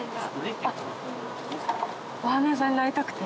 お花屋さんになりたくて？